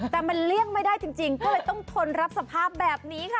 แต่มันเลี่ยงไม่ได้จริงก็เลยต้องทนรับสภาพแบบนี้ค่ะ